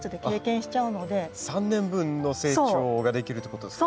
３年分の成長ができるってことですね。